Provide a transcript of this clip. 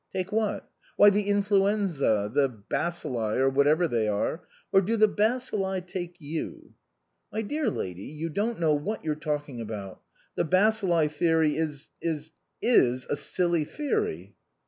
"Take what?" " Why, the influenza the bacilli, or whatever they are. Or do the bacilli take you ?"" My dear lady, you don't know what you're talking about. The bacilli theory is is is a silly theory."